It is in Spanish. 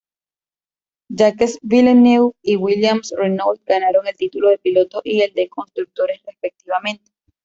Jacques Villeneuve y Williams-Renault ganaron el título de pilotos y el de constructores, respectivamente.